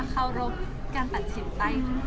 เคารพการตัดสินใจ